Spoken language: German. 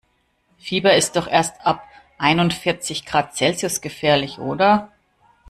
Fieber ist doch erst ab einundvierzig Grad Celsius gefährlich, oder?